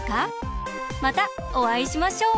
またおあいしましょう！